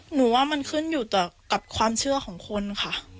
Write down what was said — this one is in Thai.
หนูว่ามันขึ้นอยู่กับความเชื่อของคนค่ะ